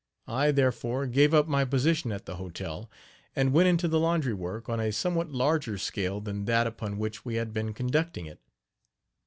I, therefore, gave up my position at the hotel, and went into the laundry work on a somewhat larger scale than that upon which we had been conducting it.